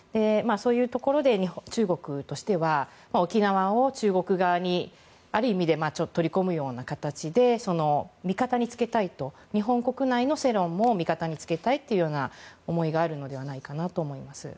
そういうところで中国としては沖縄を中国側にある意味で取り込むような形で味方につけたい日本国内の世論も味方につけたいという思いがあるのではないかと思います。